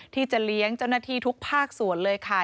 ที่จะเลี้ยงเจ้าหน้าที่ทุกภาคส่วนเลยค่ะ